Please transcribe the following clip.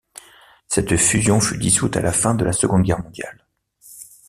Cette fusion fut dissoute à la fin de la Seconde Guerre mondiale.